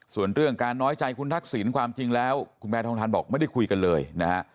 ส่วนเรื่องการน้อยใจคุณทักษิณความจริงแล้วคุณแพทองทันบอกไม่ได้คุยกันเลยนะฮะ